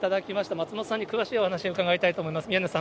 松本さんに詳しいお話伺いたいと思います。